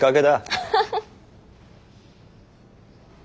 ハハハッ。